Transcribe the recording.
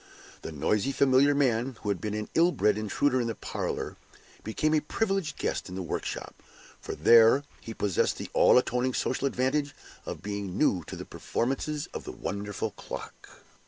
The noisy, familiar man, who had been an ill bred intruder in the parlor, became a privileged guest in the workshop, for there he possessed the all atoning social advantage of being new to the performances of the wonderful clock.